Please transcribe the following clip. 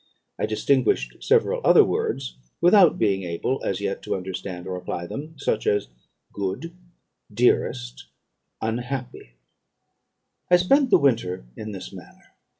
I distinguished several other words, without being able as yet to understand or apply them; such as good, dearest, unhappy. "I spent the winter in this manner.